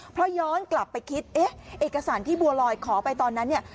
เพราะย้อนกลับไปคิดเอ๊ะเอกสารที่บัวลอยขอไปตอนนั้นเนี่ย